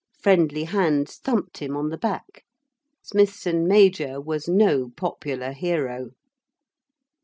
Friendly hands thumped him on the back. Smithson major was no popular hero.